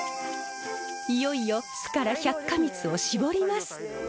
いよいよ巣から百花蜜を搾ります。